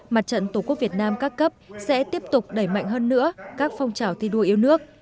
mặt trận tổ quốc việt nam các cấp sẽ tiếp tục đẩy mạnh hơn nữa các phong trào thi đua yêu nước